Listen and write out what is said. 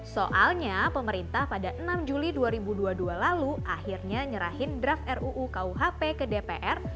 soalnya pemerintah pada enam juli dua ribu dua puluh dua lalu akhirnya nyerahin draft ruu kuhp ke dpr